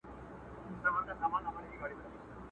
په دا ماته ژبه چاته پیغام ورکړم،